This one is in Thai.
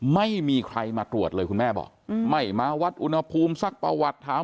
ไม่มีใครมาตรวจเลยคุณแม่บอกไม่มาวัดอุณหภูมิสักประวัติถาม